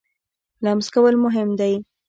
لمس کول مهم دی.